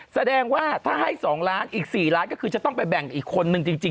แสดงว่าถ้าให้๒ล้านอีก๔ล้านก็คือจะต้องไปแบ่งอีกคนนึงจริง